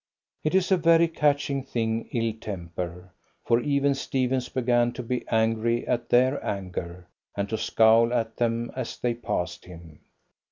It is a very catching thing, ill temper, for even Stephens began to be angry at their anger, and to scowl at them as they passed him.